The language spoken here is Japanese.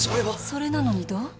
それなのにどう？